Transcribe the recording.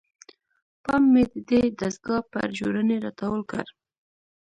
پام مې ددې دستګاه پر جوړونې راټول کړ.